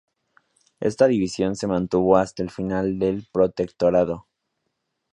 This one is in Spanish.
Esta división se mantuvo hasta el final del Protectorado.